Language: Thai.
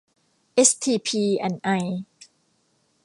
เอสทีพี แอนด์ ไอ